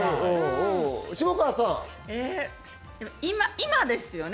今ですよね？